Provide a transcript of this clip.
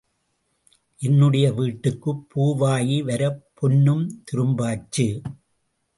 என்னுடைய வீட்டுக்குப் பூவாயி வரப் பொன்னும் துரும்பாச்சு.